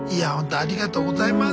「ありがとうございます」。